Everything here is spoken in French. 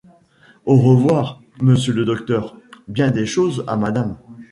Au revoir, Monsieur le Docteur, bien des choses à Madame.